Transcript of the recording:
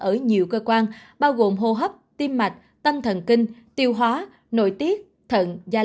ở nhiều cơ quan bao gồm hồ hóa